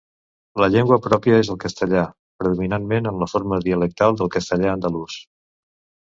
La llengua pròpia és el castellà, predominantment en la forma dialectal del castellà andalús.